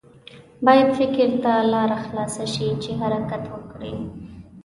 باید فکر ته لاره خلاصه شي چې حرکت وکړي.